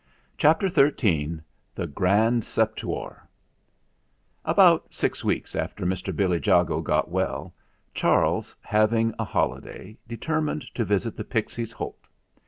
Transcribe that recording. CHAPTER XIII THE GRAND SEPTUOR About six weeks after Mr. Billy Jago got well, Charles, having a holiday, determined to visit the Pixies' Holt.